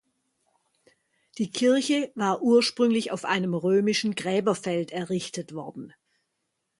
Die Kirche war ursprünglich auf einem römischen Gräberfeld errichtet worden.